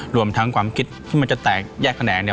รวมทั้งความคิดที่มันจะแตกแยกแขนงเนี่ย